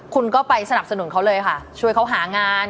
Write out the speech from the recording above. คุณก็ไปสนับสนุนเขาเลยค่ะช่วยเขาหางาน